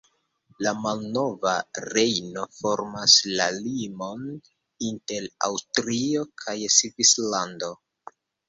La Malnova Rejno formas la limon inter Aŭstrio kaj Svislando.